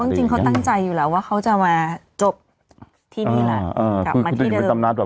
จริงเขาตั้งใจอยู่แหละว่าเขาจะมาจบที่นี่แหละกลับมาที่เดิม